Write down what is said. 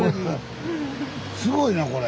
すごいなこれ。